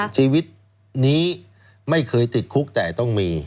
ชีวิตนี้ไม่เคยติดคุกแต่ต้องมี